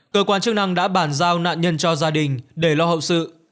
cơ quan chức năng đã bản giao nạn nhân cho gia đình để lo hậu sự